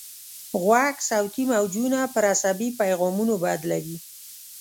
غوږ صوتي موجونه پر عصبي پیغامونو بدلوي.